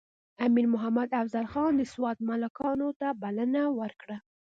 امیر محمد افضل خان د سوات ملکانو ته بلنه ورکړه.